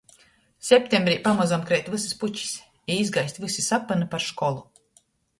Septembrī pamozom kreit vysys pučis i izgaist vysi sapyni par školu.